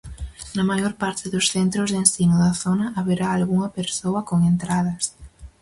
Na maior parte dos centros de ensino da zona haberá algunha persoa con entradas.